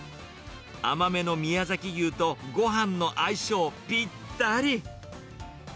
甘めの宮崎牛とごはんの相性ぴったり。